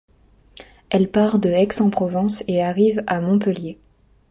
Elle part de Aix-en-Provence et arrive à Montpellier.